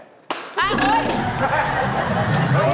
อ่ะเฮ้ย